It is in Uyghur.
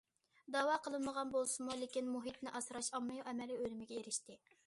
دەۋا قىلىنمىغان بولسىمۇ، لېكىن مۇھىتنى ئاسراش ئاممىۋى ئەمەلىي ئۈنۈمىگە ئېرىشتى.